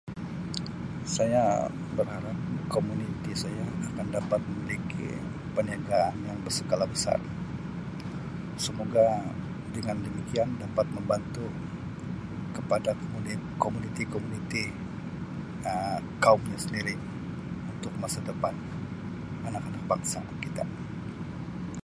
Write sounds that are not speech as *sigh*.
Saya berharap komuniti saya akan dapat memiliki perniagaan yang brskala besar semoga dengan demikian dapat membantu kepada *unintelligible* komuniti-komuniti Um kaum kita sendiri untuk masa depan anak-anak bangsa kita.